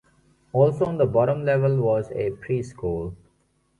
Also on the bottom level was a pre-school.